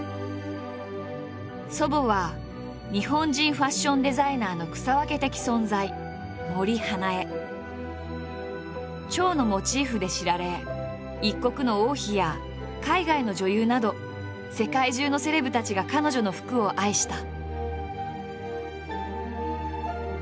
祖母は日本人ファッションデザイナーの草分け的存在蝶のモチーフで知られ一国の王妃や海外の女優など世界中のセレブたちが彼女の服を愛した。